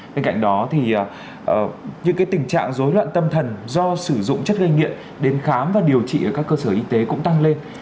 bên cạnh đó thì những tình trạng dối loạn tâm thần do sử dụng chất gây nghiện đến khám và điều trị ở các cơ sở y tế cũng tăng lên